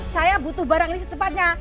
saya butuh barang ini secepatnya